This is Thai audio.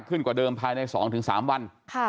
ขึ้นกว่าเดิมภายใน๒๓วันค่ะ